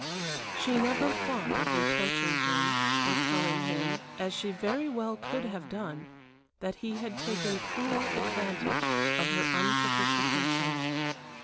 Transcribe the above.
She never thought of reproaching him, of telling him, as she very well could have done, that he had taken cruel advantage of her unsophistication.